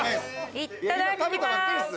いっただっきます。